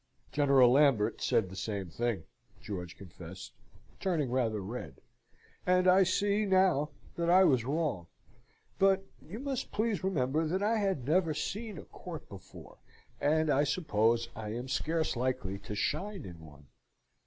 "General Lambert said the same thing," George confessed, turning rather red; "and I see now that I was wrong. But you must please remember that I had never seen a court before, and I suppose I am scarce likely to shine in one."